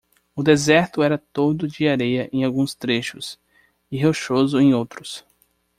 O deserto era todo de areia em alguns trechos? e rochoso em outros.